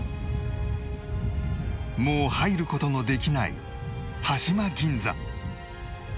もう入る事のできない端島銀座